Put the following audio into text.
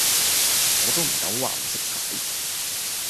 我都唔敢話唔識踩